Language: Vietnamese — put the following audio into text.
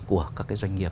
của các doanh nghiệp